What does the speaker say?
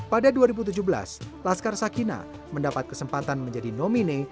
pada dua ribu tujuh belas laskar sakina mendapat kesempatan menjadi nomine